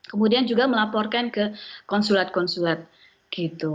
kemudian juga melaporkan ke konsulat konsulat gitu